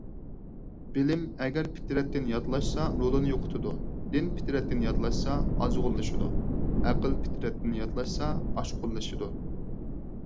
بىلىم ئەگەر پىترەتتىن ياتلاشسا رولىنى يوقىتىدۇ. دىن پىترەتتىن ياتلاشسا ئازغۇنلىشىدۇ. ئەقىل پىترەتتىن ياتلاشسا ئاشقۇنلىشىدۇ.